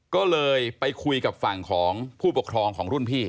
ก็เลยไปคุยกับฝั่งของผู้ปกครองของรุ่นพี่